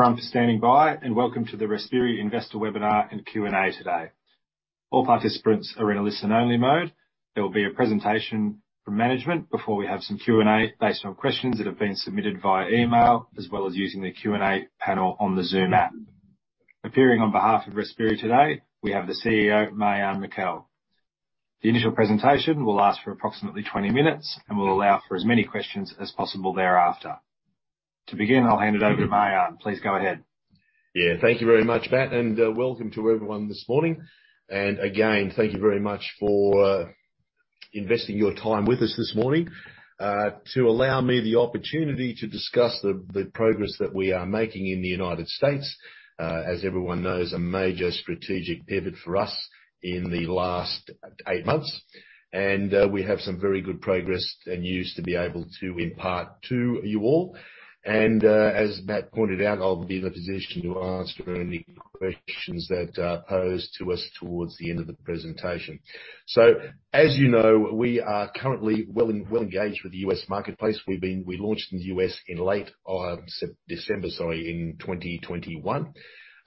Thank you for standing by, and welcome to the Respiri Health Investor Webinar and Q&A today. All participants are in a listen only mode. There will be a presentation from management before we have some Q&A based on questions that have been submitted via email, as well as using the Q&A panel on the Zoom app. Appearing on behalf of Respiri today, we have the CEO, Marjan Mikel. The initial presentation will last for approximately 20 minutes, and we'll allow for as many questions as possible thereafter. To begin, I'll hand it over to Marjan. Please go ahead. Yeah. Thank you very much, Matt, and welcome to everyone this morning. Again, thank you very much for investing your time with us this morning to allow me the opportunity to discuss the progress that we are making in the United States. As everyone knows, a major strategic pivot for us in the last eight months. We have some very good progress and news to be able to impart to you all. As Matt pointed out, I'll be in a position to answer any questions that posed to us towards the end of the presentation. As you know, we are currently well-engaged with the U.S. marketplace. We launched in the U.S. in late December 2021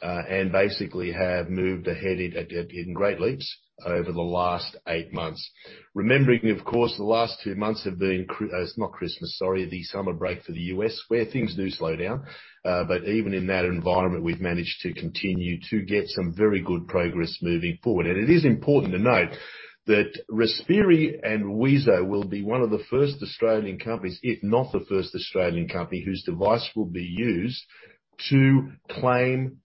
and basically have moved ahead in great leaps over the last eight months. Remembering, of course, the last two months have been the summer break for the U.S., where things do slow down. Even in that environment, we've managed to continue to get some very good progress moving forward. It is important to note that Respiri and wheezo will be one of the first Australian companies, if not the first Australian company, whose device will be used to claim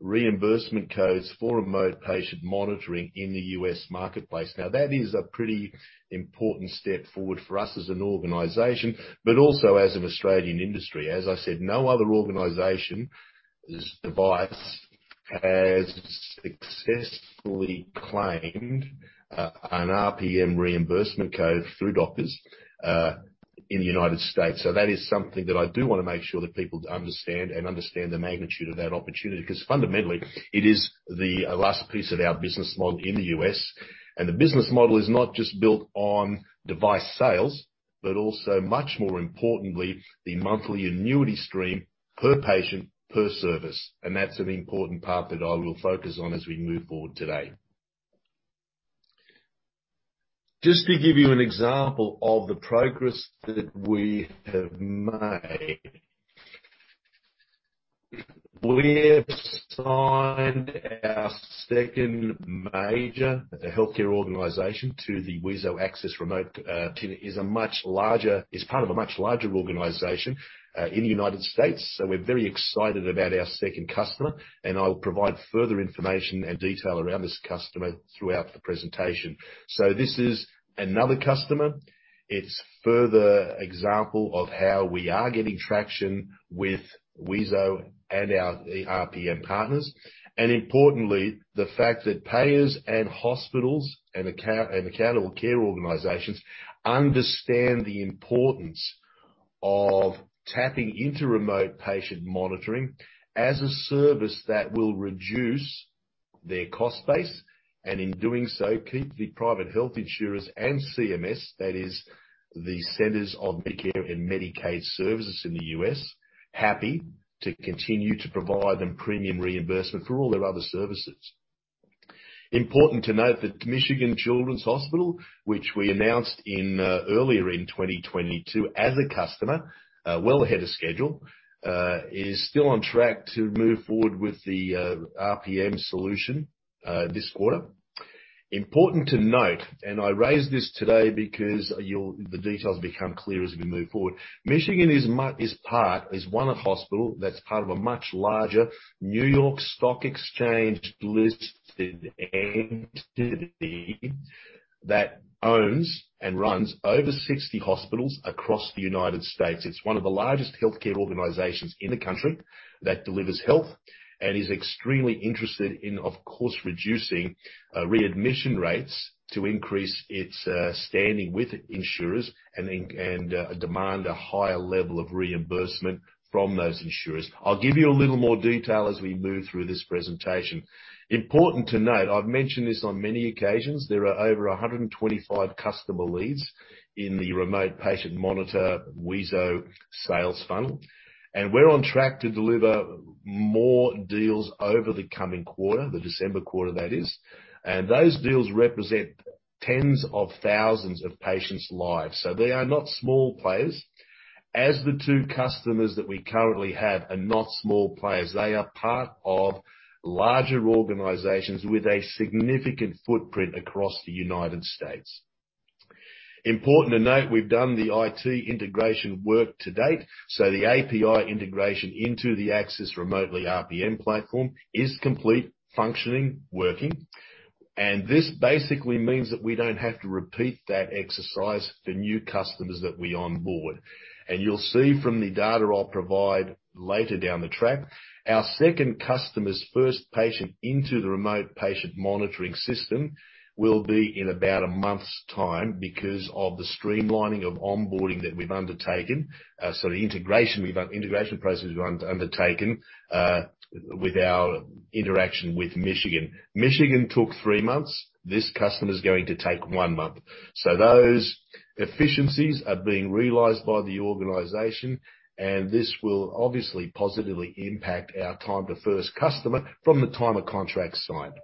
reimbursement codes for remote patient monitoring in the U.S. marketplace. Now, that is a pretty important step forward for us as an organization, but also as an Australian industry. As I said, no other organization's device has successfully claimed an RPM reimbursement code through doctors in the United States. That is something that I do wanna make sure that people understand, and understand the magnitude of that opportunity. Because fundamentally, it is the last piece of our business model in the U.S. The business model is not just built on device sales, but also, much more importantly, the monthly annuity stream per patient, per service. That's an important part that I will focus on as we move forward today. Just to give you an example of the progress that we have made. We've signed our second major healthcare organization to the wheezo Access Remote, is part of a much larger organization in the United States. We're very excited about our second customer, and I'll provide further information and detail around this customer throughout the presentation. This is another customer. It's further example of how we are getting traction with wheezo and the RPM partners. Importantly, the fact that payers and hospitals and accountable care organizations understand the importance of tapping into remote patient monitoring as a service that will reduce their cost base, and in doing so, keep the private health insurers and CMS, that is the Centers for Medicare & Medicaid Services in the U.S., happy to continue to provide them premium reimbursement for all their other services. Important to note that Children's Hospital of Michigan, which we announced earlier in 2022 as a customer, well ahead of schedule, is still on track to move forward with the RPM solution this quarter. Important to note, and I raise this today because you'll, the details become clear as we move forward. Michigan is one hospital that's part of a much larger New York Stock Exchange-listed entity that owns and runs over 60 hospitals across the United States. It's one of the largest healthcare organizations in the country that delivers health, and is extremely interested in, of course, reducing readmission rates to increase its standing with insurers and demand a higher level of reimbursement from those insurers. I'll give you a little more detail as we move through this presentation. Important to note, I've mentioned this on many occasions, there are over 125 customer leads in the remote patient monitoring wheezo sales funnel. We're on track to deliver more deals over the coming quarter, the December quarter, that is. Those deals represent tens of thousands of patients' lives. They are not small players, as the 2 customers that we currently have are not small players. They are part of larger organizations with a significant footprint across the United States. Important to note, we've done the IT integration work to date. The API integration into the Access Telehealth RPM platform is complete, functioning, working. This basically means that we don't have to repeat that exercise for new customers that we onboard. You'll see from the data I'll provide later down the track, our second customer's first patient into the remote patient monitoring system will be in about a month's time because of the streamlining of onboarding that we've undertaken. The integration we've undertaken with our interaction with Michigan. Michigan took 3 months. This customer's going to take 1 month. Those efficiencies are being realized by the organization, and this will obviously positively impact our time to first customer from the time of contract signed.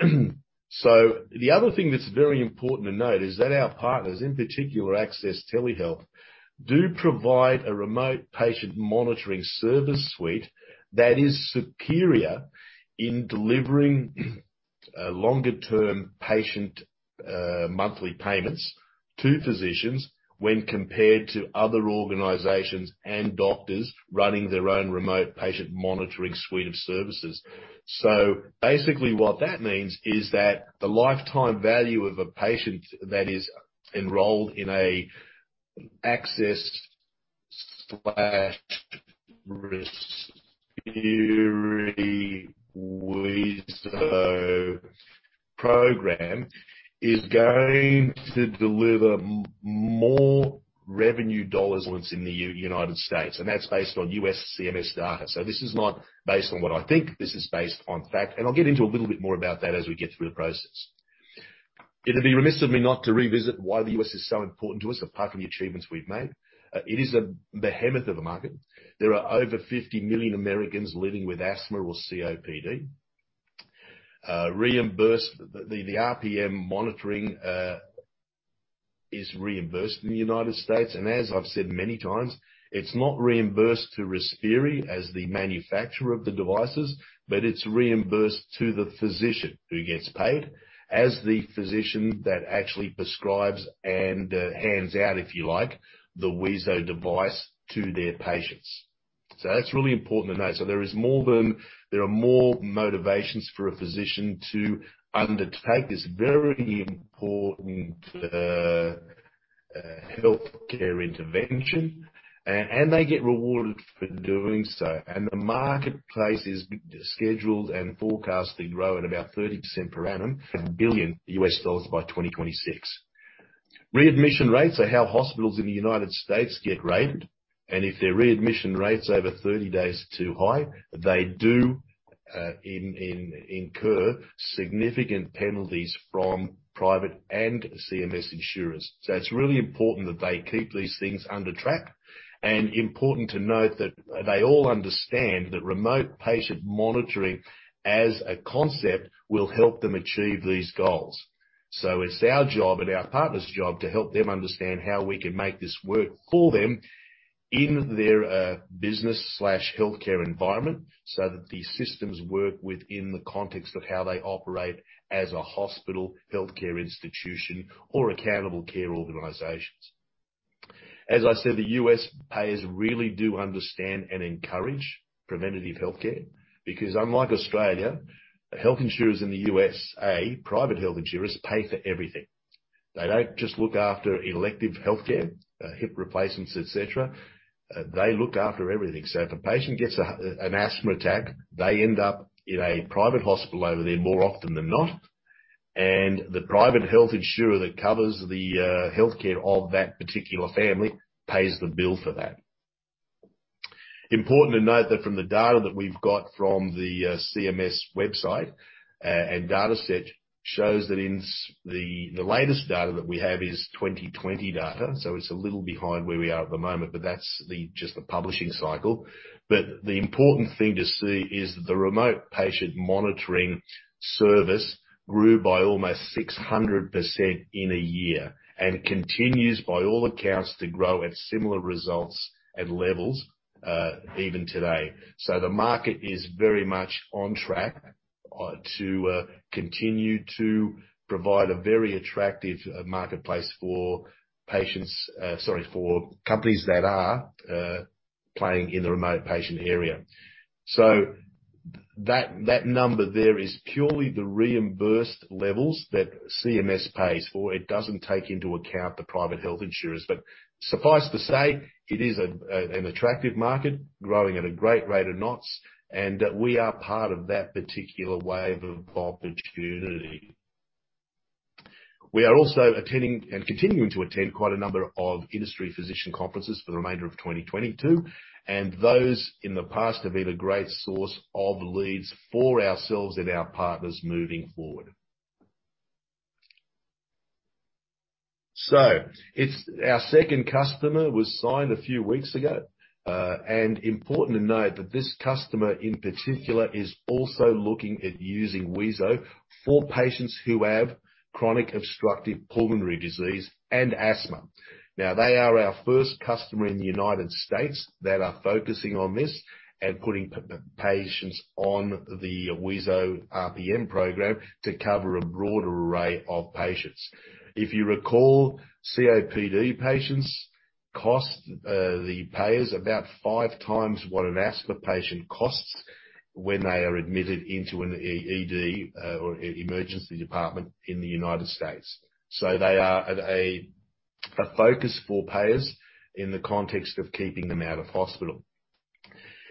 The other thing that's very important to note is that our partners, in particular Access Telehealth, do provide a remote patient monitoring service suite that is superior in delivering a longer-term patient monthly payments to physicians when compared to other organizations and doctors running their own remote patient monitoring suite of services. Basically, what that means is that the lifetime value of a patient that is enrolled in a Access/Respiri wheezo program is going to deliver more revenue dollars once in the United States, and that's based on U.S. CMS data. This is not based on what I think, this is based on fact. I'll get into a little bit more about that as we get through the process. It'd be remiss of me not to revisit why the U.S. is so important to us, apart from the achievements we've made. It is a behemoth of a market. There are over 50 million Americans living with asthma or COPD. The RPM monitoring is reimbursed in the United States. As I've said many times, it's not reimbursed to Respiri as the manufacturer of the devices, but it's reimbursed to the physician who gets paid, as the physician that actually prescribes and hands out, if you like, the wheezo device to their patients. That's really important to note. There are more motivations for a physician to undertake this very important healthcare intervention. They get rewarded for doing so. The marketplace is scheduled and forecasted to grow at about 30% per annum, $1 billion by 2026. Readmission rates are how hospitals in the United States get rated, and if their readmission rate's over 30 days too high, they incur significant penalties from private and CMS insurers. It's really important that they keep these things on track, and important to note that they all understand that remote patient monitoring as a concept will help them achieve these goals. It's our job and our partners' job to help them understand how we can make this work for them in their business/healthcare environment, so that these systems work within the context of how they operate as a hospital, healthcare institution, or accountable care organizations. As I said, the U.S. payers really do understand and encourage preventive healthcare because unlike Australia, health insurers in the USA, private health insurers pay for everything. They don't just look after elective healthcare, hip replacements, et cetera. They look after everything. If a patient gets an asthma attack, they end up in a private hospital over there more often than not. The private health insurer that covers the healthcare of that particular family pays the bill for that. Important to note that from the data that we've got from the CMS website and dataset shows that the latest data that we have is 2020 data, so it's a little behind where we are at the moment, but that's just the publishing cycle. The important thing to see is the remote patient monitoring service grew by almost 600% in a year, and continues by all accounts to grow at similar results and levels, even today. The market is very much on track to continue to provide a very attractive marketplace for patients, sorry, for companies that are playing in the remote patient area. That number there is purely the reimbursed levels that CMS pays for. It doesn't take into account the private health insurers. Suffice to say, it is an attractive market growing at a great rate of knots, and we are part of that particular wave of opportunity. We are also attending and continuing to attend quite a number of industry physician conferences for the remainder of 2022, and those in the past have been a great source of leads for ourselves and our partners moving forward. Our second customer was signed a few weeks ago. And important to note that this customer, in particular, is also looking at using wheezo for patients who have chronic obstructive pulmonary disease and asthma. Now, they are our first customer in the United States that are focusing on this and putting patients on the wheezo RPM program to cover a broad array of patients. If you recall, COPD patients cost the payers about five times what an asthma patient costs when they are admitted into an ED or emergency department in the United States. They are at a focus for payers in the context of keeping them out of hospital.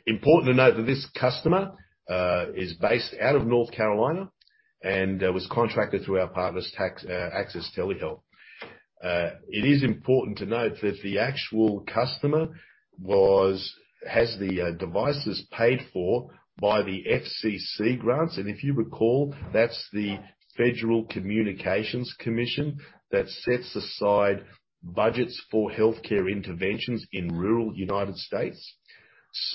Important to note that this customer is based out of North Carolina and was contracted through our partners TAS, Access Telehealth. It is important to note that the actual customer has the devices paid for by the FCC grants. If you recall, that's the Federal Communications Commission that sets aside budgets for healthcare interventions in rural United States.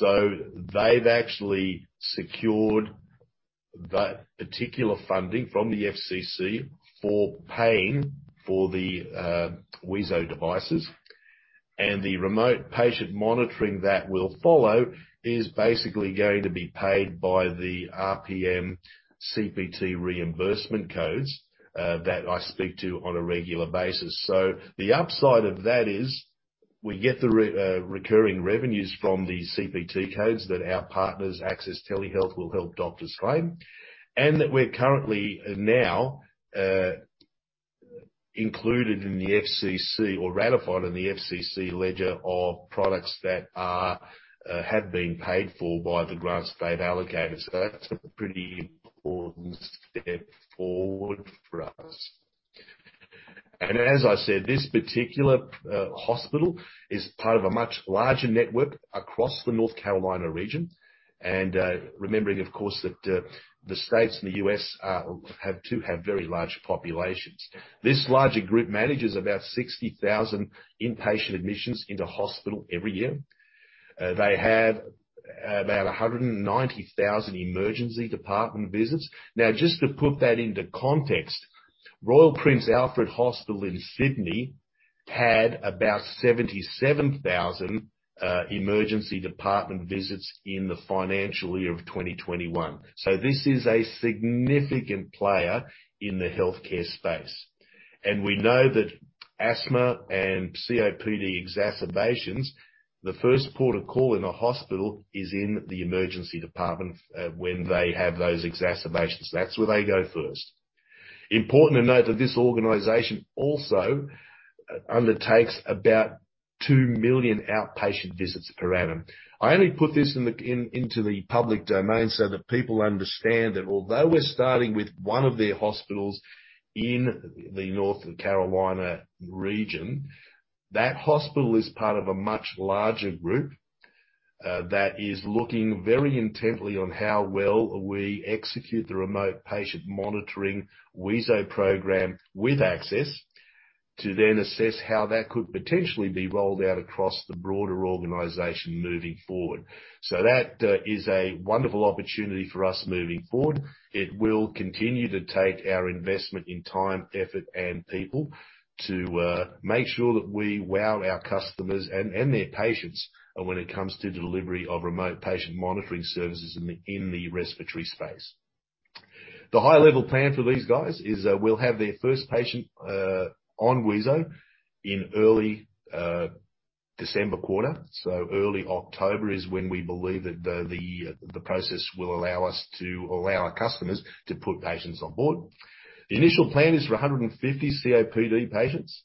They've actually secured that particular funding from the FCC for paying for the wheezo devices. The remote patient monitoring that will follow is basically going to be paid by the RPM CPT reimbursement codes that I speak to on a regular basis. The upside of that is we get the recurring revenues from the CPT codes that our partners, Access Telehealth, will help doctors claim, and that we're currently now included in the FCC or ratified in the FCC ledger of products that have been paid for by the grants they've allocated. That's a pretty important step forward for us. As I said, this particular hospital is part of a much larger network across the North Carolina region. Remembering, of course, that the states in the U.S. do have very large populations. This larger group manages about 60,000 inpatient admissions into hospital every year. They have about 190,000 emergency department visits. Now, just to put that into context, Royal Prince Alfred Hospital in Sydney had about 77,000 emergency department visits in the financial year of 2021. This is a significant player in the healthcare space. We know that asthma and COPD exacerbations, the first port of call in a hospital is in the emergency department, when they have those exacerbations. That's where they go first. Important to note that this organization also undertakes about 2 million outpatient visits per annum. I only put this into the public domain so that people understand that although we're starting with one of their hospitals in the North Carolina region, that hospital is part of a much larger group that is looking very intently on how well we execute the remote patient monitoring wheezo program with Access to then assess how that could potentially be rolled out across the broader organization moving forward. That is a wonderful opportunity for us moving forward. It will continue to take our investment in time, effort, and people to make sure that we wow our customers and their patients when it comes to delivery of remote patient monitoring services in the respiratory space. The high-level plan for these guys is we'll have their first patient on wheezo in early December quarter. Early October is when we believe that the process will allow us to allow our customers to put patients on board. The initial plan is for 150 COPD patients,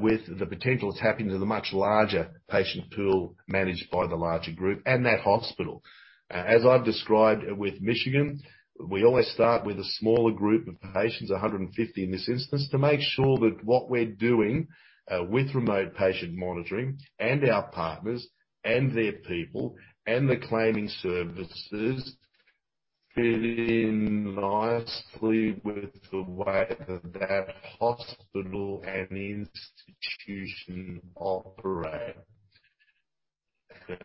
with the potential to tap into the much larger patient pool managed by the larger group and that hospital. As I've described with Michigan, we always start with a smaller group of patients, 150 in this instance, to make sure that what we're doing with remote patient monitoring and our partners and their people and the claiming services fit in nicely with the way that that hospital and institution operate.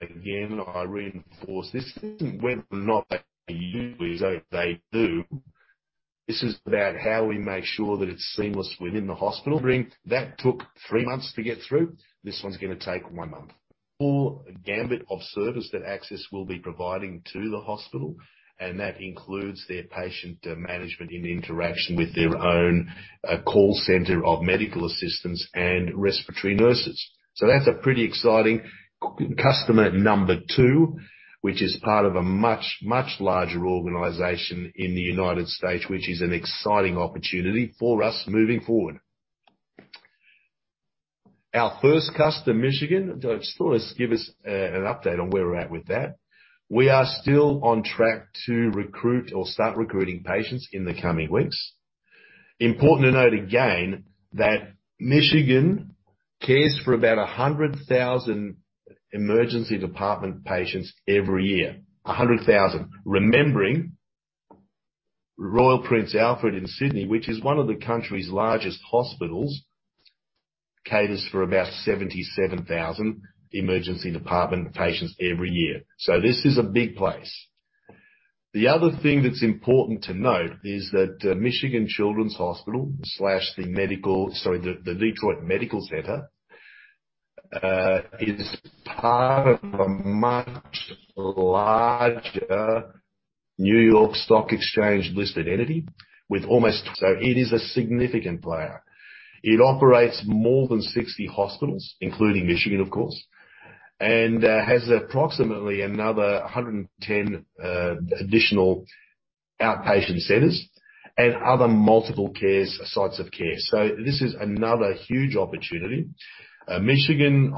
Again, I reinforce this isn't whether or not they use wheezo. They do. This is about how we make sure that it's seamless within the hospital. That took three months to get through. This one's gonna take one month. Full gamut of service that Access will be providing to the hospital, and that includes their patient management and interaction with their own call center of medical assistants and respiratory nurses. That's a pretty exciting customer number two, which is part of a much, much larger organization in the United States, which is an exciting opportunity for us moving forward. Our first customer, Michigan, just thought I'd give us an update on where we're at with that. We are still on track to recruit or start recruiting patients in the coming weeks. Important to note again that Michigan cares for about 100,000 emergency department patients every year. 100,000. Remembering Royal Prince Alfred in Sydney, which is one of the country's largest hospitals, caters for about 77,000 emergency department patients every year. This is a big place. The other thing that's important to note is that, Children's Hospital of Michigan, the Detroit Medical Center, is part of a much larger New York Stock Exchange-listed entity. It is a significant player. It operates more than 60 hospitals, including Michigan, of course, and has approximately another 110 additional outpatient centers and other multiple care sites of care. This is another huge opportunity. Children's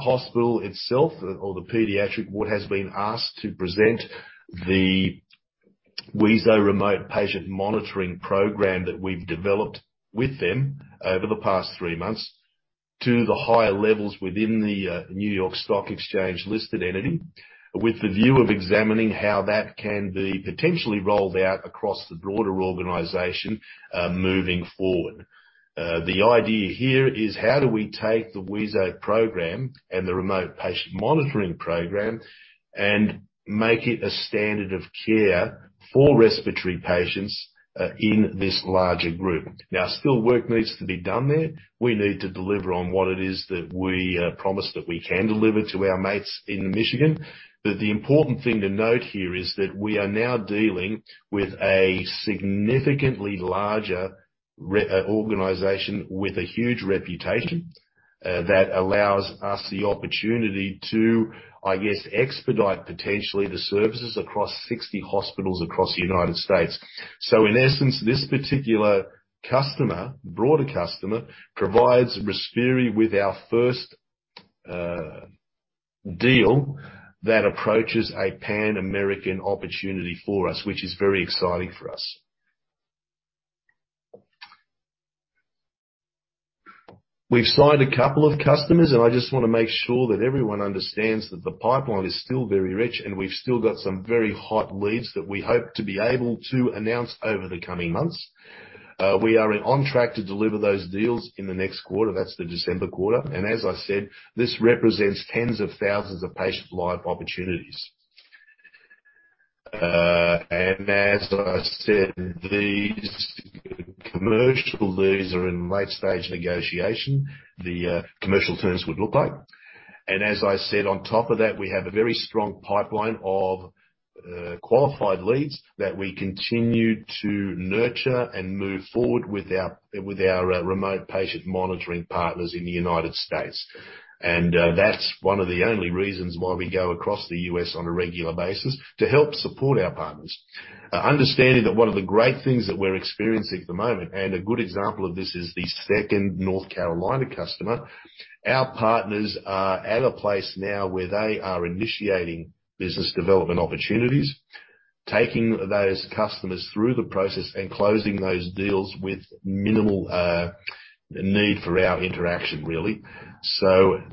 Hospital of Michigan itself or the pediatric ward has been asked to present the wheezo remote patient monitoring program that we've developed with them over the past three months to the higher levels within the New York Stock Exchange-listed entity, with the view of examining how that can be potentially rolled out across the broader organization, moving forward. The idea here is how do we take the wheezo program and the remote patient monitoring program and make it a standard of care for respiratory patients in this larger group. Now, still work needs to be done there. We need to deliver on what it is that we promise that we can deliver to our mates in Michigan. The important thing to note here is that we are now dealing with a significantly larger organization with a huge reputation that allows us the opportunity to, I guess, expedite potentially the services across 60 hospitals across the United States. In essence, this particular customer, broader customer, provides Respiri with our first deal that approaches a Pan-American opportunity for us, which is very exciting for us. We've signed a couple of customers, and I just wanna make sure that everyone understands that the pipeline is still very rich, and we've still got some very hot leads that we hope to be able to announce over the coming months. We are on track to deliver those deals in the next quarter. That's the December quarter. As I said, this represents tens of thousands of patient life opportunities. As I said, these commercial leads are in late stage negotiation, the commercial terms would look like. As I said on top of that, we have a very strong pipeline of qualified leads that we continue to nurture and move forward with our remote patient monitoring partners in the United States. That's one of the only reasons why we go across the U.S. on a regular basis, to help support our partners. Understanding that one of the great things that we're experiencing at the moment, and a good example of this is the second North Carolina customer. Our partners are at a place now where they are initiating business development opportunities, taking those customers through the process and closing those deals with minimal need for our interaction, really.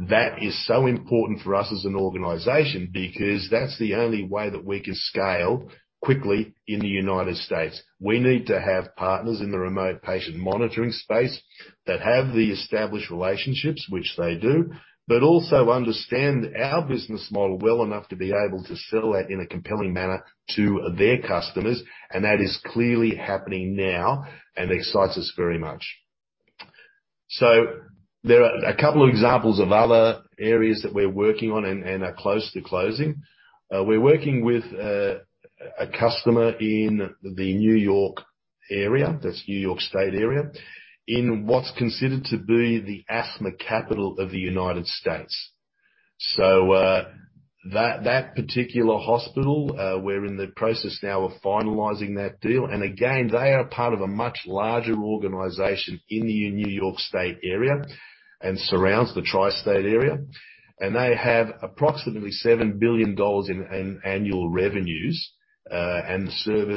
That is so important for us as an organization because that's the only way that we can scale quickly in the United States. We need to have partners in the remote patient monitoring space that have the established relationships, which they do, but also understand our business model well enough to be able to sell that in a compelling manner to their customers. That is clearly happening now and excites us very much. There are a couple of examples of other areas that we're working on and are close to closing. We're working with a customer in the New York area, that's New York State area, in what's considered to be the asthma capital of the United States. That particular hospital, we're in the process now of finalizing that deal. They are part of a much larger organization in the New York State area and surrounds the Tri-State area. They have approximately $7 billion in annual revenues and serve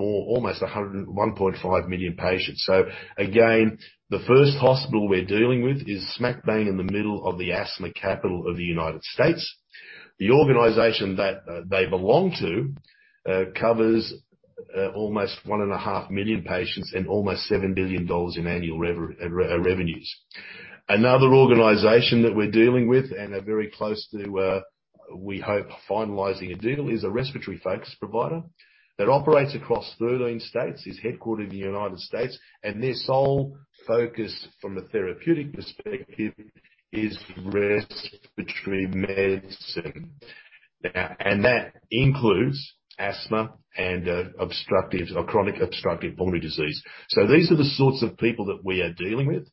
almost 101.5 million patients. The first hospital we're dealing with is smack bang in the middle of the asthma capital of the United States. The organization that they belong to covers almost 1.5 million patients and almost $7 billion in annual revenues. Another organization that we're dealing with and are very close to, we hope finalizing a deal is a respiratory-focused provider that operates across 13 states, is headquartered in the United States, and their sole focus from a therapeutic perspective is respiratory medicine. Now that includes asthma and obstructive or chronic obstructive pulmonary disease. These are the sorts of people that we are dealing with.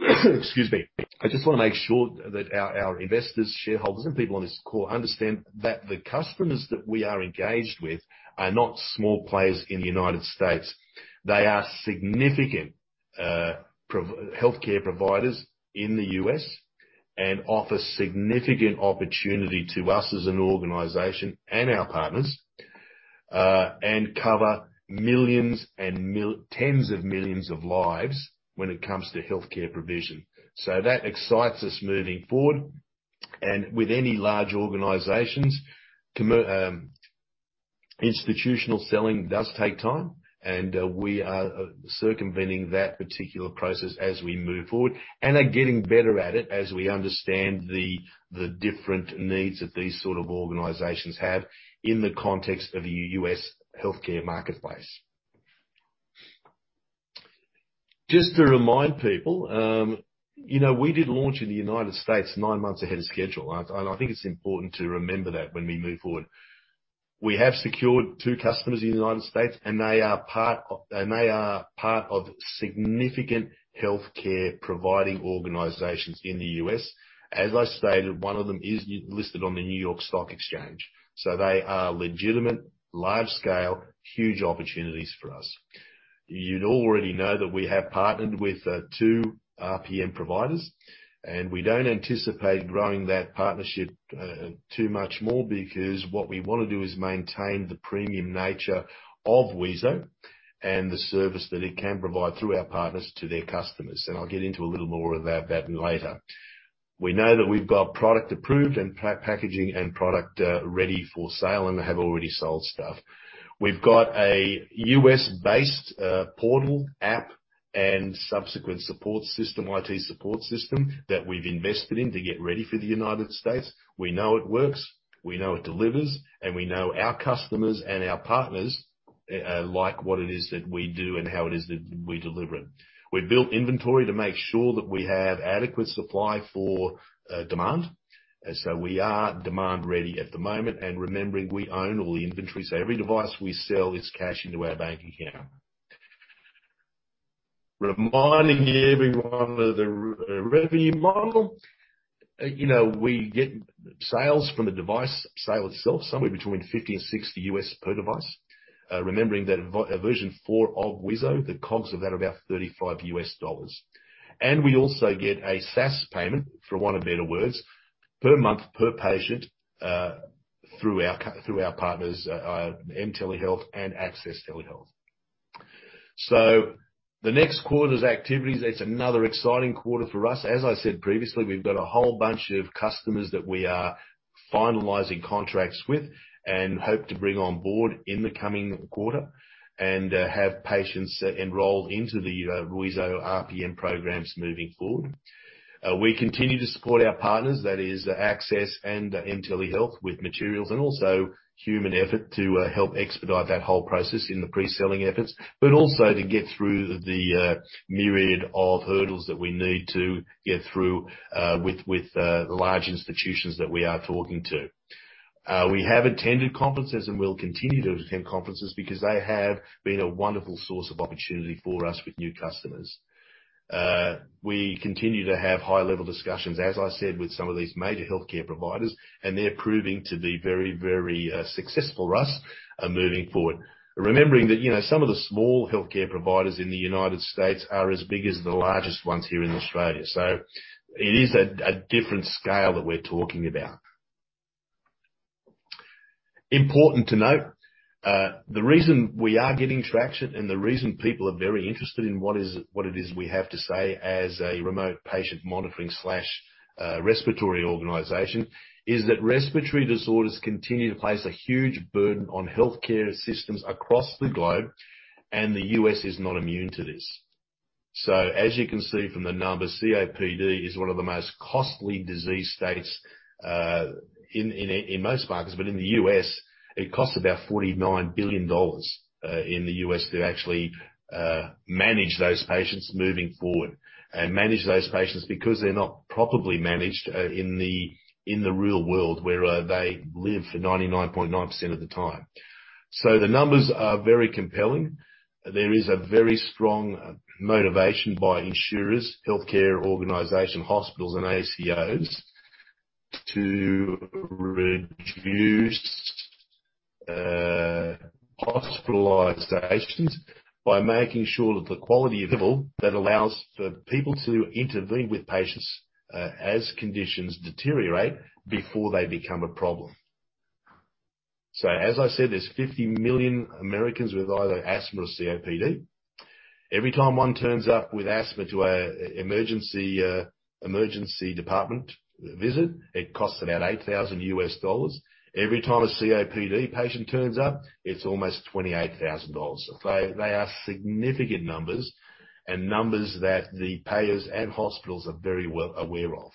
Excuse me. I just wanna make sure that our investors, shareholders, and people on this call understand that the customers that we are engaged with are not small players in the United States. They are significant healthcare providers in the U.S. and offer significant opportunity to us as an organization and our partners, and cover millions and tens of millions of lives when it comes to healthcare provision. That excites us moving forward. With any large organizations, institutional selling does take time, and we are circumventing that particular process as we move forward and are getting better at it as we understand the different needs that these sort of organizations have in the context of the U.S. healthcare marketplace. Just to remind people, you know, we did launch in the United States 9 months ahead of schedule, and I think it's important to remember that when we move forward. We have secured two customers in the United States, and they are part of significant healthcare providing organizations in the U.S. As I stated, one of them is listed on the New York Stock Exchange. They are legitimate, large scale, huge opportunities for us. You'd already know that we have partnered with two RPM providers, and we don't anticipate growing that partnership too much more, because what we wanna do is maintain the premium nature of wheezo and the service that it can provide through our partners to their customers. I'll get into a little more of that later. We know that we've got product approved and packaging and product ready for sale and have already sold stuff. We've got a U.S.-based portal app and subsequent support system, IT support system, that we've invested in to get ready for the United States. We know it works, we know it delivers, and we know our customers and our partners like what it is that we do and how it is that we deliver it. We've built inventory to make sure that we have adequate supply for demand. We are demand ready at the moment. Remembering we own all the inventory, so every device we sell is cash into our bank account. Reminding everyone of the revenue model. You know, we get sales from the device sale itself, somewhere between $50-$60 per device. Remembering that version four of wheezo, the COGS of that are about $35. We also get a SaaS payment, for want of better words, per month, per patient, through our partners, mTelehealth and Access Telehealth. The next quarter's activities, it's another exciting quarter for us. As I said previously, we've got a whole bunch of customers that we are finalizing contracts with and hope to bring on board in the coming quarter, and have patients enrolled into the wheezo RPM programs moving forward. We continue to support our partners, that is Access and mTelehealth with materials and also human effort to help expedite that whole process in the pre-selling efforts, but also to get through the myriad of hurdles that we need to get through with the large institutions that we are talking to. We have attended conferences and will continue to attend conferences because they have been a wonderful source of opportunity for us with new customers. We continue to have high-level discussions, as I said, with some of these major healthcare providers, and they're proving to be very successful for us moving forward. Remembering that, you know, some of the small healthcare providers in the United States are as big as the largest ones here in Australia. It is a different scale that we're talking about. Important to note, the reason we are getting traction and the reason people are very interested in what it is we have to say as a remote patient monitoring, respiratory organization, is that respiratory disorders continue to place a huge burden on healthcare systems across the globe, and the U.S. is not immune to this. As you can see from the numbers, COPD is one of the most costly disease states in most markets. In the U.S., it costs about $49 billion in the U.S. to actually manage those patients moving forward. Manage those patients because they're not properly managed in the real world where they live for 99.9% of the time. The numbers are very compelling. There is a very strong motivation by insurers, healthcare organizations, hospitals and ACOs to reduce hospitalizations by making sure that the quality that allows for people to intervene with patients as conditions deteriorate before they become a problem. As I said, there's 50 million Americans with either asthma or COPD. Every time one turns up with asthma to an emergency department visit, it costs about $8,000. Every time a COPD patient turns up, it's almost $28,000. They are significant numbers and numbers that the payers and hospitals are very well aware of.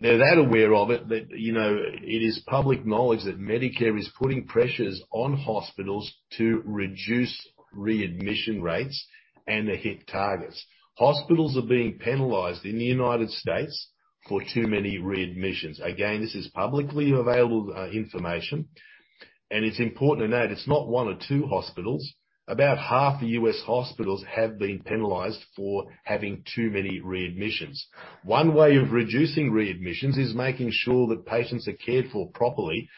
They're that aware of it that, you know, it is public knowledge that Medicare is putting pressures on hospitals to reduce readmission rates and hit targets. Hospitals are being penalized in the United States for too many readmissions. Again, this is publicly available information, and it's important to note it's not one or two hospitals. About half the U.S. hospitals have been penalized for having too many readmissions. One way of reducing readmissions is making sure that patients are cared for properly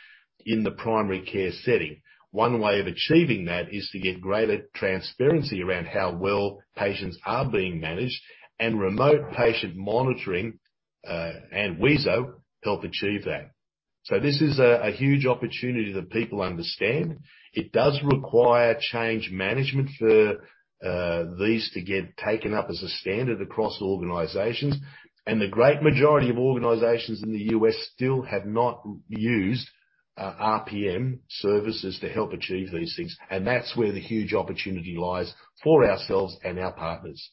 in the primary care setting. One way of achieving that is to get greater transparency around how well patients are being managed, and remote patient monitoring, and wheezo help achieve that. This is a huge opportunity that people understand. It does require change management for these to get taken up as a standard across organizations. The great majority of organizations in the U.S. still have not used RPM services to help achieve these things. That's where the huge opportunity lies for ourselves and our partners.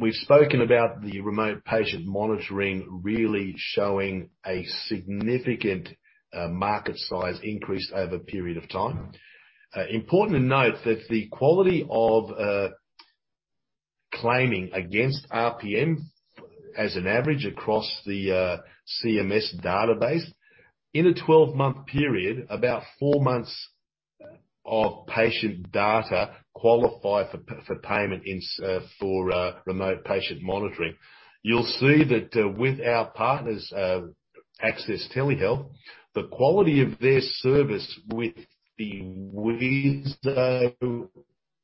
We've spoken about the remote patient monitoring really showing a significant market size increase over a period of time. Important to note that the quality of claiming against RPM as an average across the CMS database, in a 12-month period, about 4 months of patient data qualify for payment for remote patient monitoring. You'll see that, with our partners, Access Telehealth, the quality of their service with the wheezo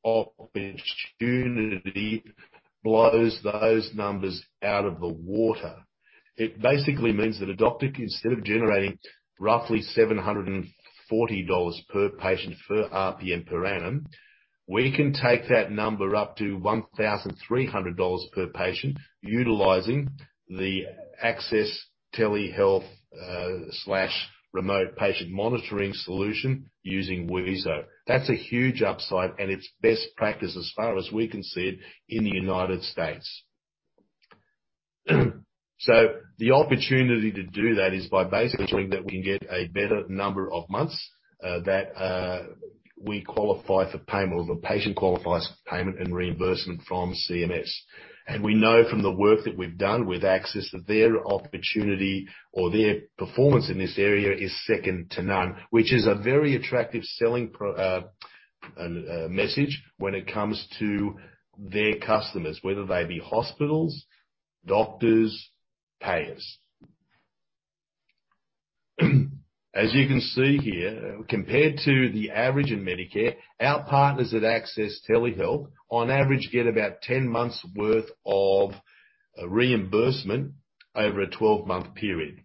opportunity blows those numbers out of the water. It basically means that a doctor, instead of generating roughly $740 per patient for RPM per annum, we can take that number up to $1,300 per patient utilizing the Access Telehealth, slash remote patient monitoring solution using wheezo. That's a huge upside, and it's best practice as far as we can see it in the United States. The opportunity to do that is by basically ensuring that we can get a better number of months, that, we qualify for payment or the patient qualifies for payment and reimbursement from CMS. We know from the work that we've done with Access Telehealth that their opportunity or their performance in this area is second to none, which is a very attractive selling message when it comes to their customers, whether they be hospitals, doctors, payers. As you can see here, compared to the average in Medicare, our partners at Access Telehealth on average get about 10 months worth of reimbursement over a 12-month period.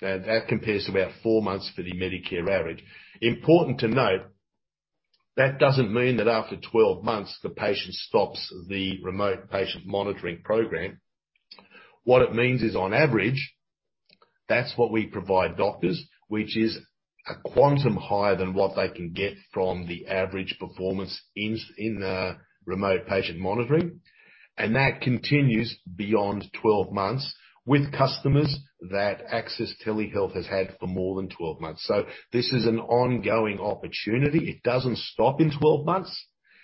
That compares to about 4 months for the Medicare average. Important to note, that doesn't mean that after 12 months the patient stops the remote patient monitoring program. What it means is, on average, that's what we provide doctors, which is a quantum higher than what they can get from the average performance in remote patient monitoring. That continues beyond 12 months with customers that Access Telehealth has had for more than 12 months. This is an ongoing opportunity. It doesn't stop in 12 months.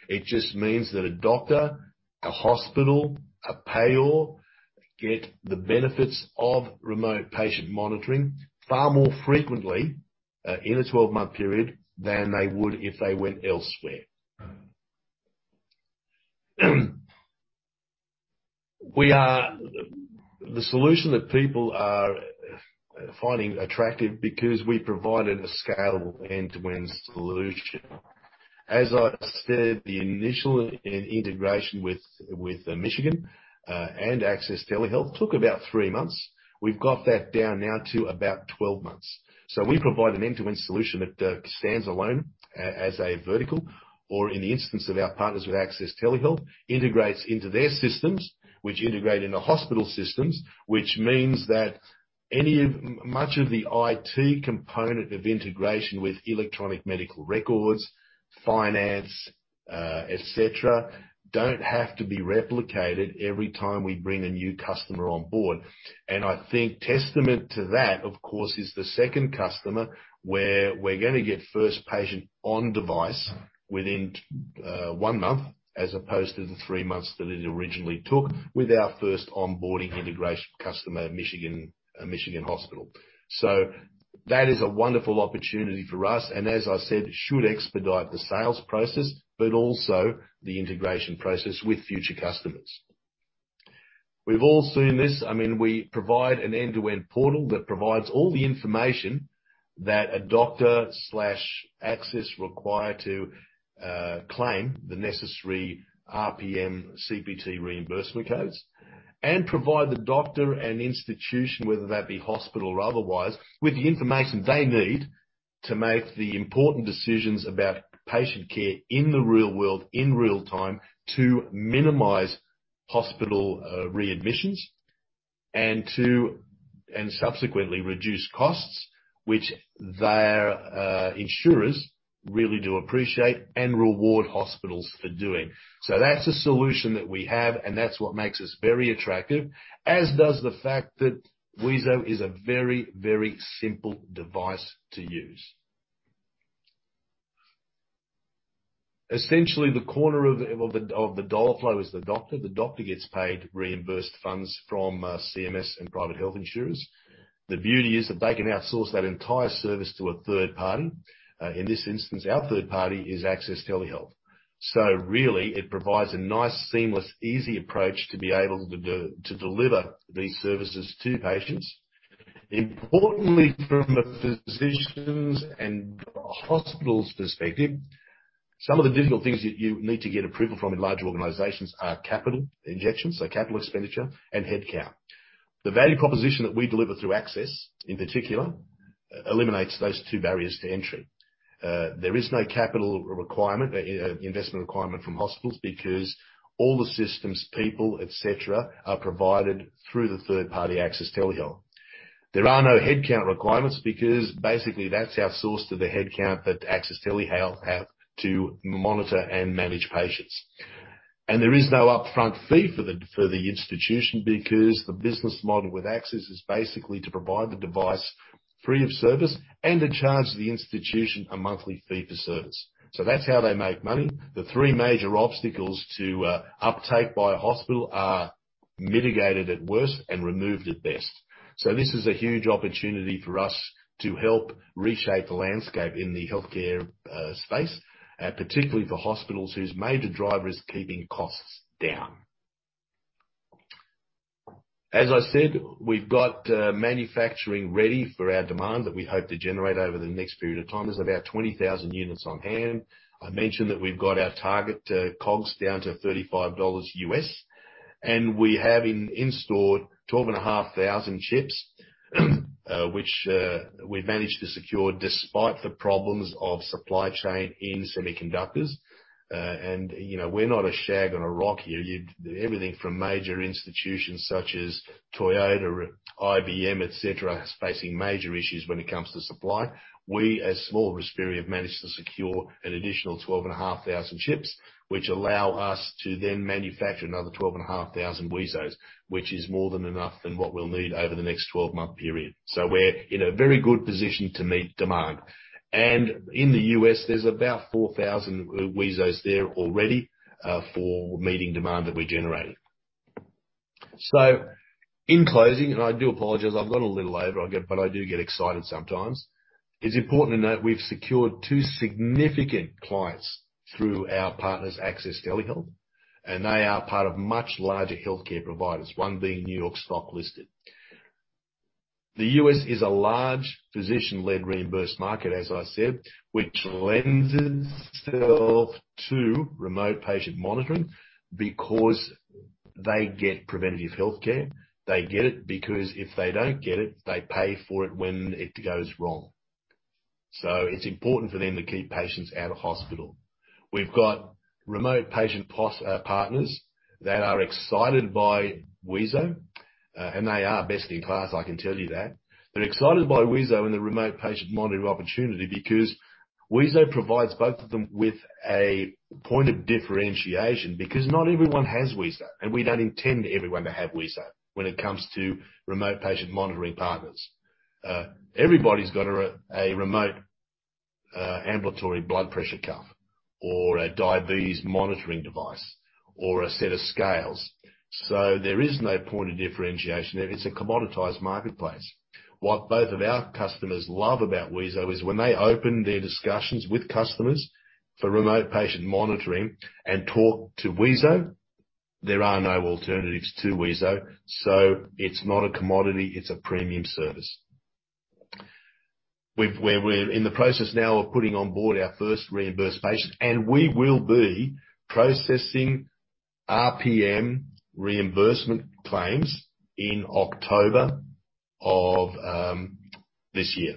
It just means that a doctor, a hospital, a payer, get the benefits of remote patient monitoring far more frequently in a 12-month period than they would if they went elsewhere. We are the solution that people are finding attractive because we provided a scalable end-to-end solution. As I said, the initial integration with Michigan and Access Telehealth took about 3 months. We've got that down now to about 12 months. We provide an end-to-end solution that stands alone as a vertical, or in the instance of our partners with Access Telehealth, integrates into their systems, which integrate into hospital systems, which means that much of the IT component of integration with electronic medical records, finance, et cetera, don't have to be replicated every time we bring a new customer on board. I think testament to that, of course, is the second customer, where we're gonna get first patient on device within one month, as opposed to the three months that it originally took with our first onboarding integration customer at Children's Hospital of Michigan. That is a wonderful opportunity for us, and as I said, it should expedite the sales process, but also the integration process with future customers. We've all seen this. I mean, we provide an end-to-end portal that provides all the information that a doctor slash Access require to claim the necessary RPM CPT reimbursement codes. Provide the doctor an institution, whether that be hospital or otherwise, with the information they need to make the important decisions about patient care in the real world, in real time, to minimize hospital readmissions and to subsequently reduce costs which their insurers really do appreciate and reward hospitals for doing. That's a solution that we have, and that's what makes us very attractive, as does the fact that wheezo is a very, very simple device to use. Essentially, the corner of the dollar flow is the doctor. The doctor gets paid reimbursed funds from CMS and private health insurers. The beauty is that they can outsource that entire service to a third party. In this instance, our third party is Access Telehealth. Really, it provides a nice, seamless, easy approach to be able to deliver these services to patients. Importantly, from a physician's and hospital's perspective, some of the difficult things that you need to get approval from in larger organizations are capital injections, so capital expenditure and headcount. The value proposition that we deliver through Access, in particular, eliminates those two barriers to entry. There is no capital requirement, investor requirement from hospitals because all the systems, people, et cetera, are provided through the third party, Access Telehealth. There are no headcount requirements because basically that's outsourced to the headcount that Access Telehealth have to monitor and manage patients. There is no upfront fee for the institution because the business model with Access is basically to provide the device free of service and to charge the institution a monthly fee for service. That's how they make money. The three major obstacles to uptake by a hospital are mitigated at worst and removed at best. This is a huge opportunity for us to help reshape the landscape in the healthcare space, particularly for hospitals whose major driver is keeping costs down. As I said, we've got manufacturing ready for our demand that we hope to generate over the next period of time. There's about 20,000 units on hand. I mentioned that we've got our target to COGS down to $35, and we have in store 12,500 chips, which we managed to secure despite the problems of supply chain in semiconductors. You know, we're not a shag on a rock here. Everything from major institutions such as Toyota, IBM, et cetera, is facing major issues when it comes to supply. We, as small Respiri, have managed to secure an additional 12,500 chips, which allow us to then manufacture another 12,500 wheezos, which is more than enough than what we'll need over the next 12-month period. We're in a very good position to meet demand. In the U.S., there's about 4,000 wheezos there already for meeting demand that we're generating. In closing, and I do apologize, I've gone a little over. I get excited sometimes. It's important to note we've secured two significant clients through our partners, Access Telehealth, and they are part of much larger healthcare providers, one being New York Stock Exchange listed. The U.S. is a large physician-led reimbursed market, as I said, which lends itself to remote patient monitoring because they get preventive healthcare. They get it because if they don't get it, they pay for it when it goes wrong. It's important for them to keep patients out of hospital. We've got remote patient partners that are excited by wheezo, and they are best in class, I can tell you that. They're excited by wheezo and the remote patient monitoring opportunity because wheezo provides both of them with a point of differentiation. Because not everyone has wheezo, and we don't intend everyone to have wheezo when it comes to remote patient monitoring partners. Everybody's got a remote, ambulatory blood pressure cuff or a diabetes monitoring device or a set of scales. There is no point of differentiation there. It's a commoditized marketplace. What both of our customers love about wheezo is when they open their discussions with customers for remote patient monitoring and talk to wheezo, there are no alternatives to wheezo. It's not a commodity, it's a premium service. We're in the process now of putting on board our first reimbursed patient, and we will be processing RPM reimbursement claims in October of this year.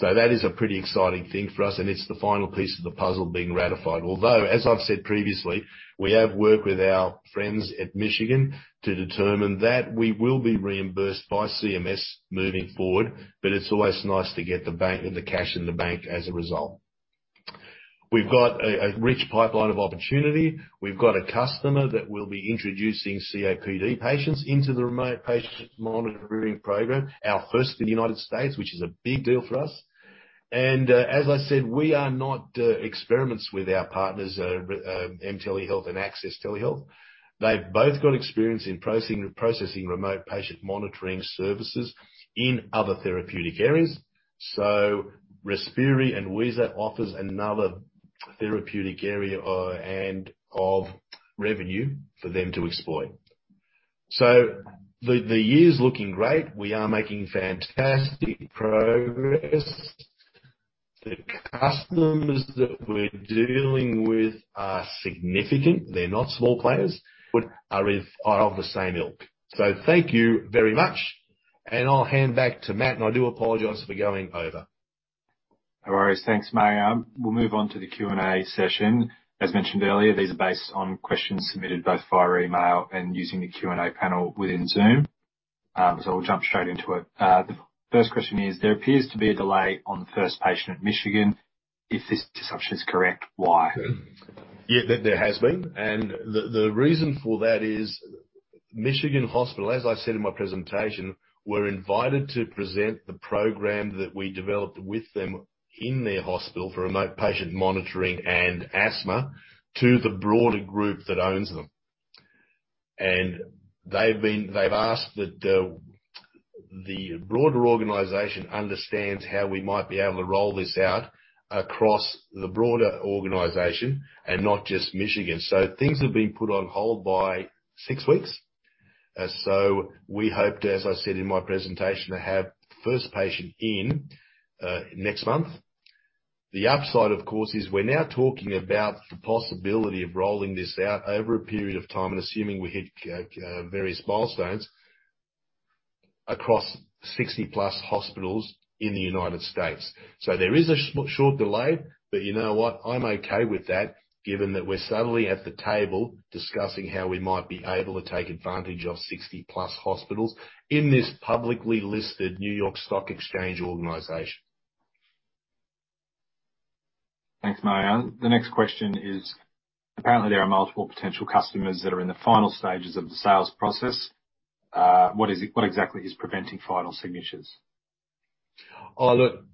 That is a pretty exciting thing for us, and it's the final piece of the puzzle being ratified. Although, as I've said previously, we have worked with our friends at Michigan to determine that we will be reimbursed by CMS moving forward, but it's always nice to get the cash in the bank as a result. We've got a rich pipeline of opportunity. We've got a customer that will be introducing COPD patients into the remote patient monitoring program, our first in the United States, which is a big deal for us. As I said, we are running experiments with our partners mTelehealth and Access Telehealth. They've both got experience in processing remote patient monitoring services in other therapeutic areas. Respiri and wheezo offers another therapeutic area and a source of revenue for them to exploit. The year's looking great. We are making fantastic progress. The customers that we're dealing with are significant. They're not small players, but are of the same ilk. Thank you very much, and I'll hand back to Matt, and I do apologize for going over. No worries. Thanks, Marjan. We'll move on to the Q&A session. As mentioned earlier, these are based on questions submitted both via email and using the Q&A panel within Zoom. I'll jump straight into it. The first question is: There appears to be a delay on the first patient at Michigan. If this assumption is correct, why? Yeah. There has been. The reason for that is Children's Hospital of Michigan, as I said in my presentation, were invited to present the program that we developed with them in their hospital for remote patient monitoring and asthma to the broader group that owns them. They've asked that the broader organization understands how we might be able to roll this out across the broader organization and not just Michigan. Things have been put on hold by six weeks. We hope to, as I said in my presentation, have the first patient in next month. The upside, of course, is we're now talking about the possibility of rolling this out over a period of time and assuming we hit various milestones across 60-plus hospitals in the United States. There is a short delay, but you know what? I'm okay with that, given that we're suddenly at the table discussing how we might be able to take advantage of 60-plus hospitals in this publicly listed New York Stock Exchange organization. Thanks, Marjan. The next question is: Apparently, there are multiple potential customers that are in the final stages of the sales process. What exactly is preventing final signatures? Oh, look,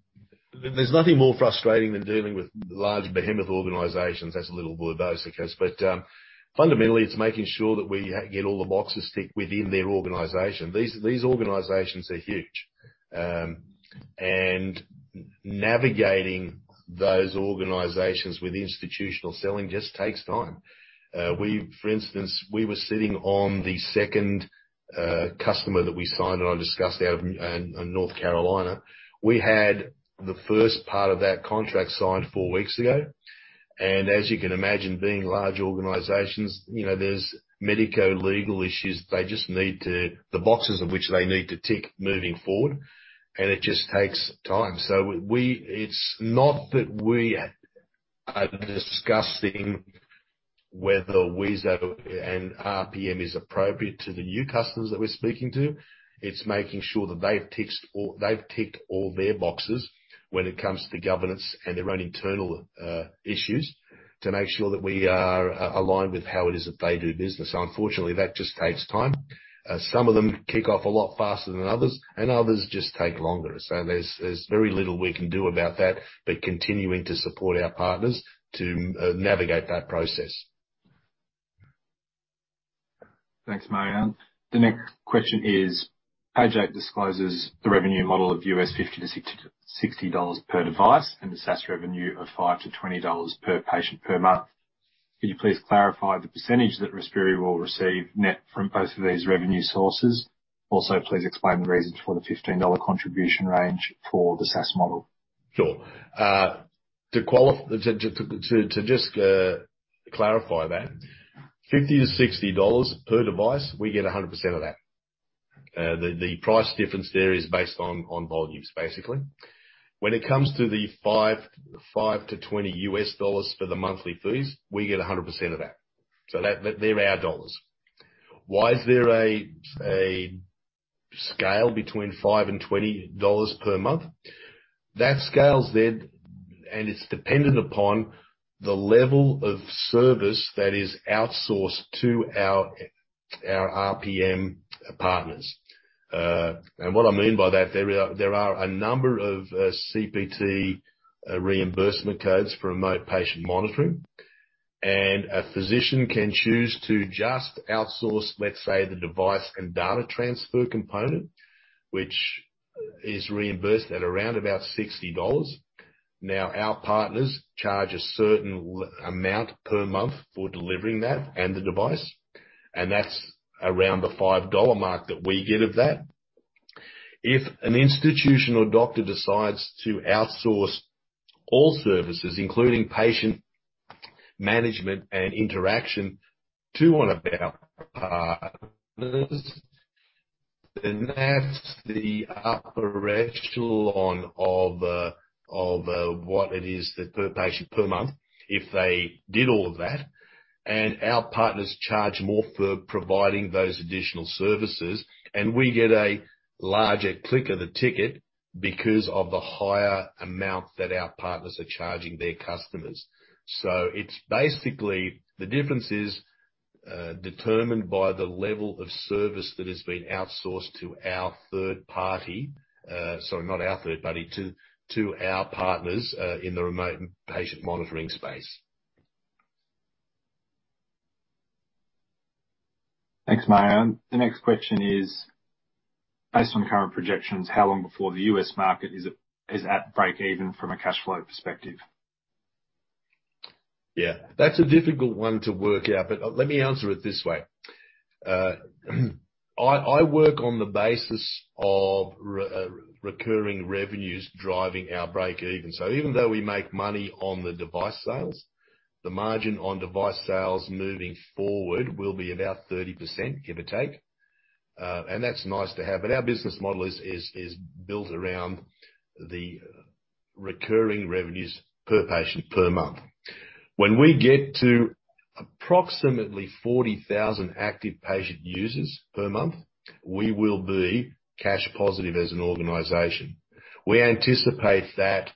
there's nothing more frustrating than dealing with large behemoth organizations. That's a little verbose, I guess. Fundamentally, it's making sure that we get all the boxes ticked within their organization. These organizations are huge. Navigating those organizations with institutional selling just takes time. For instance, we were sitting on the second customer that we signed, and I discussed ours in North Carolina. We had the first part of that contract signed four weeks ago. As you can imagine, being large organizations, you know, there's medico-legal issues. They just need to tick the boxes which they need to tick moving forward, and it just takes time. It's not that we are discussing whether wheezo and RPM is appropriate to the new customers that we're speaking to. It's making sure that they've ticked all their boxes when it comes to the governance and their own internal issues, to make sure that we are aligned with how it is that they do business. Unfortunately, that just takes time. Some of them kick off a lot faster than others, and others just take longer. There's very little we can do about that, but continuing to support our partners to navigate that process. Thanks, Marjan. The next question is, RSH discloses the revenue model of $50-$60 per device and a SaaS revenue of $5-$20 per patient per month. Could you please clarify the percentage that Respiri will receive net from both of these revenue sources? Also, please explain the reasons for the $15 contribution range for the SaaS model. Sure. To just clarify that. $50-$60 per device, we get 100% of that. The price difference there is based on volumes, basically. When it comes to the $5-$20 for the monthly fees, we get 100% of that. That they're our dollars. Why is there a scale between $5 and $20 per month? That scale is there, and it's dependent upon the level of service that is outsourced to our RPM partners. What I mean by that, there are a number of CPT reimbursement codes for remote patient monitoring. A physician can choose to just outsource, let's say, the device and data transfer component, which is reimbursed at around about $60. Now, our partners charge a certain amount per month for delivering that and the device, and that's around the $5 mark that we get of that. If an institutional doctor decides to outsource all services, including patient management and interaction, to one of our partners, then that's the upper echelon of what it is that per patient per month if they did all of that. Our partners charge more for providing those additional services, and we get a larger cut of the ticket because of the higher amount that our partners are charging their customers. It's basically the difference is determined by the level of service that has been outsourced to our third party. Sorry, not our third party. To our partners in the remote patient monitoring space. Thanks, Marjan. The next question is, based on current projections, how long before the U.S. market is at breakeven from a cash flow perspective? Yeah, that's a difficult one to work out, but let me answer it this way. I work on the basis of recurring revenues driving our break even. Even though we make money on the device sales, the margin on device sales moving forward will be about 30%, give or take. That's nice to have. Our business model is built around the recurring revenues per patient per month. When we get to approximately 40,000 active patient users per month, we will be cash positive as an organization. We anticipate that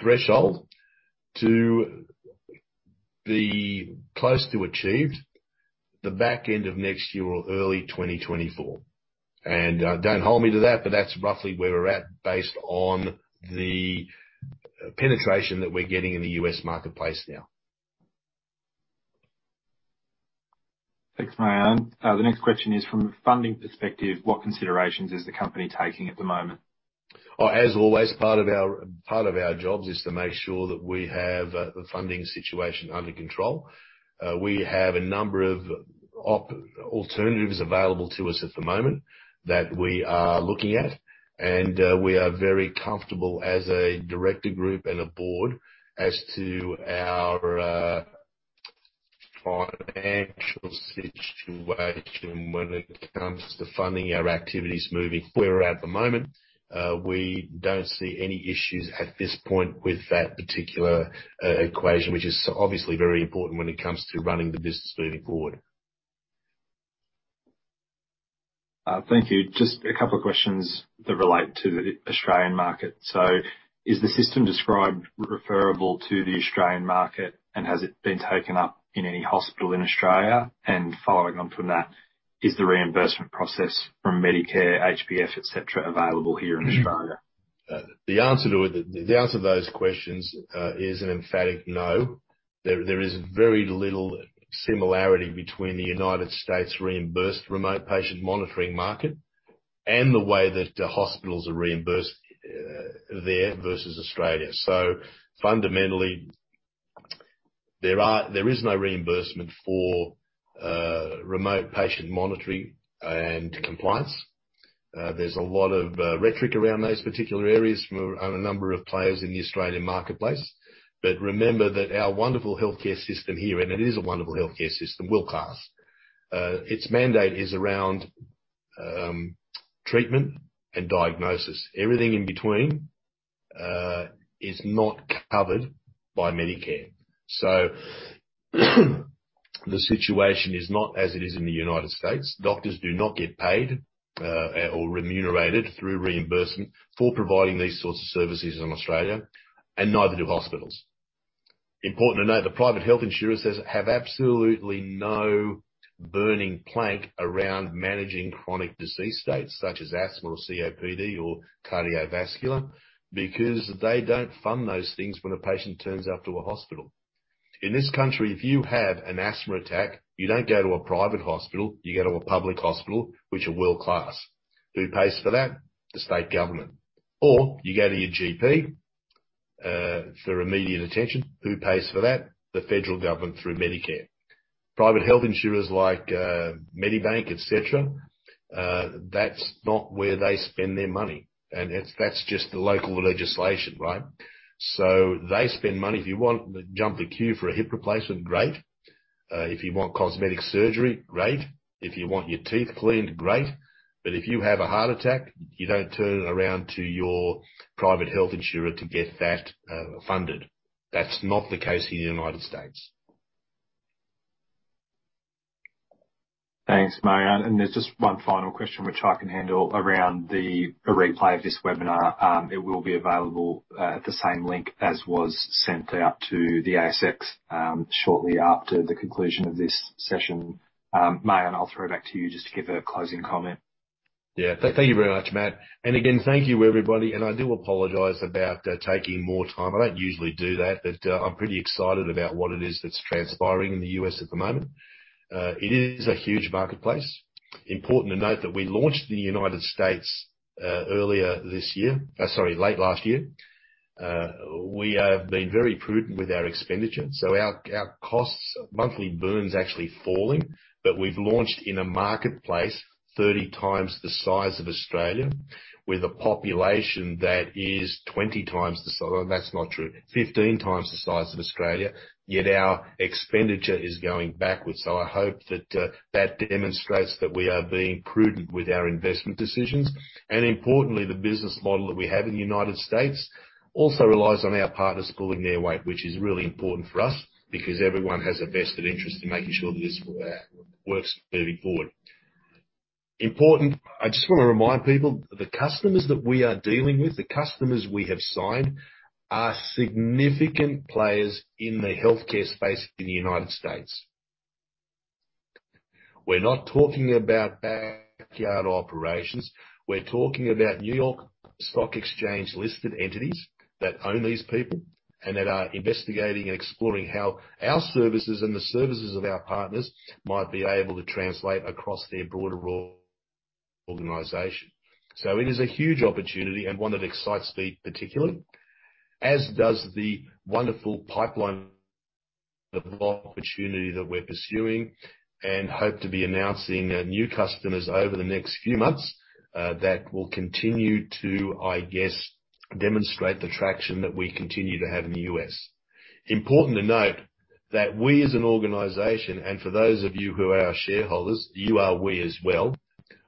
threshold to be close to achieved the back end of next year or early 2024. Don't hold me to that, but that's roughly where we're at based on the penetration that we're getting in the U.S. marketplace now. Thanks, Marjan. The next question is from a funding perspective, what considerations is the company taking at the moment? As always, part of our jobs is to make sure that we have the funding situation under control. We have a number of alternatives available to us at the moment that we are looking at, and we are very comfortable as a director group and a board as to our financial situation when it comes to funding our activities. Where we're at the moment, we don't see any issues at this point with that particular equation, which is obviously very important when it comes to running the business moving forward. Thank you. Just a couple of questions that relate to the Australian market. Is the system described referable to the Australian market, and has it been taken up in any hospital in Australia? Following on from that, is the reimbursement process from Medicare, HBF, etcetera, available here in Australia? The answer to those questions is an emphatic no. There is very little similarity between the United States reimbursed remote patient monitoring market and the way that hospitals are reimbursed there versus Australia. Fundamentally, there is no reimbursement for remote patient monitoring and compliance. There's a lot of rhetoric around those particular areas from a number of players in the Australian marketplace. Remember that our wonderful healthcare system here, and it is a wonderful healthcare system, world-class. Its mandate is around treatment and diagnosis. Everything in between is not covered by Medicare. The situation is not as it is in the United States. Doctors do not get paid or remunerated through reimbursement for providing these sorts of services in Australia, and neither do hospitals. Important to note, the private health insurers have absolutely no burning platform around managing chronic disease states such as asthma or COPD or cardiovascular, because they don't fund those things when a patient turns up to a hospital. In this country, if you have an asthma attack, you don't go to a private hospital, you go to a public hospital, which are world-class. Who pays for that? The state government. Or you go to your GP for immediate attention. Who pays for that? The federal government through Medicare. Private health insurers like Medibank, et cetera, that's not where they spend their money. That's just the local legislation, right? They spend money, if you want to jump the queue for a hip replacement, great. If you want cosmetic surgery, great. If you want your teeth cleaned, great. If you have a heart attack, you don't turn around to your private health insurer to get that funded. That's not the case in the United States. Thanks, Marjan. There's just one final question which I can handle around the replay of this webinar. It will be available at the same link as was sent out to the ASX, shortly after the conclusion of this session. Marjan, I'll throw it back to you just to give a closing comment. Yeah. Thank you very much, Matt. Again, thank you, everybody. I do apologize about taking more time. I don't usually do that, but I'm pretty excited about what it is that's transpiring in the U.S. at the moment. It is a huge marketplace. Important to note that we launched in the United States late last year. We have been very prudent with our expenditure, so our costs, monthly burn's actually falling. We've launched in a marketplace 30 times the size of Australia with a population that is 20 times the size. Well, that's not true. 15 times the size of Australia, yet our expenditure is going backwards. I hope that demonstrates that we are being prudent with our investment decisions. Importantly, the business model that we have in the United States also relies on our partners pulling their weight, which is really important for us because everyone has a vested interest in making sure that this works moving forward. Important. I just wanna remind people that the customers that we are dealing with, the customers we have signed, are significant players in the healthcare space in the United States. We're not talking about backyard operations. We're talking about New York Stock Exchange-listed entities that own these people and that are investigating and exploring how our services and the services of our partners might be able to translate across their broader organization. It is a huge opportunity and one that excites me particularly, as does the wonderful pipeline of opportunity that we're pursuing, and hope to be announcing new customers over the next few months that will continue to, I guess, demonstrate the traction that we continue to have in the U.S. Important to note that we as an organization, and for those of you who are our shareholders, you are we as well,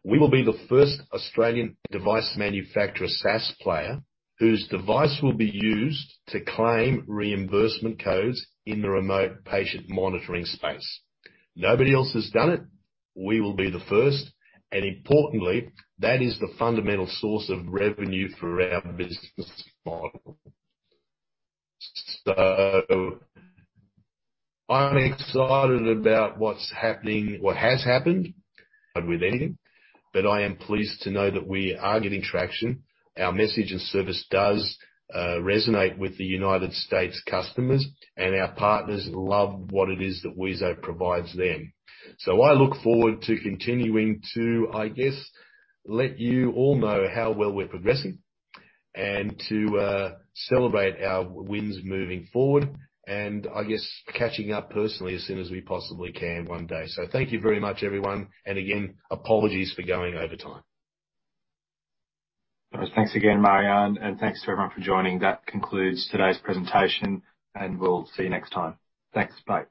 we will be the first Australian device manufacturer SaaS player whose device will be used to claim reimbursement codes in the remote patient monitoring space. Nobody else has done it. We will be the first, and importantly, that is the fundamental source of revenue for our business model. I'm excited about what's happening, what has happened with anything, but I am pleased to know that we are getting traction. Our message and service does resonate with the United States customers, and our partners love what it is that wheezo provides them. I look forward to continuing to, I guess, let you all know how well we're progressing and to celebrate our wins moving forward and I guess catching up personally as soon as we possibly can one day. Thank you very much, everyone. Again, apologies for going over time. Thanks again, Marjan, and thanks to everyone for joining. That concludes today's presentation, and we'll see you next time. Thanks. Bye.